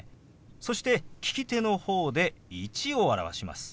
そして利き手の方で「１」を表します。